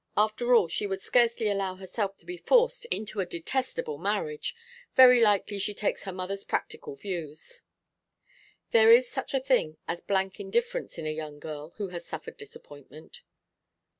After all she would scarcely allow herself to be forced into a detestable marriage. Very likely she takes her mother's practical views.' 'There is such a thing as blank indifference in a young girl who has suffered disappointment.